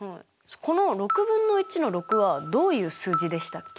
この６分の１の６はどういう数字でしたっけ？